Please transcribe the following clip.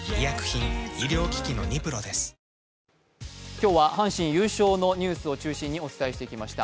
今日は阪神優勝のニュースを中心にお伝えしてきました。